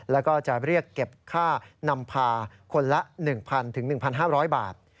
แล้วก็จะเรียกเก็บค่านำพาคนละหนึ่งพันถึงหนึ่งพันห้าร้อยบาท